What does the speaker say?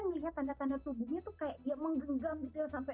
kita melihat tanda tanda tubuhnya itu kayak dia menggenggam gitu ya sampai